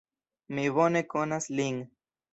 Mi bone konas lin.